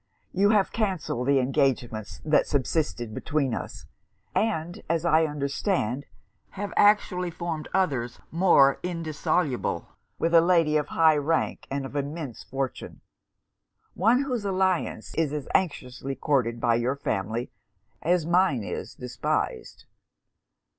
You have cancelled the engagements that subsisted between us; and, as I understand, have actually formed others more indissoluble, with a lady of high rank and of immense fortune one whose alliance is as anxiously courted by your family, as mine is despised.